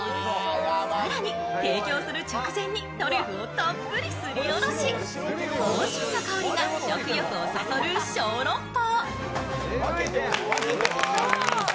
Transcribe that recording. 更に、提供する直前にトリュフをたっぷりすりおろし芳醇な香りが食欲をそそる小籠包。